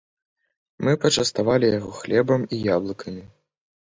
Мы пачаставалі яго хлебам і яблыкамі.